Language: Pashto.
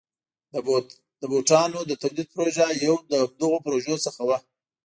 د بوټانو د تولید پروژه یو له همدغو پروژو څخه وه.